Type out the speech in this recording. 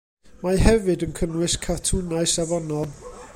Mae hefyd yn cynnwys cartwnau safonol.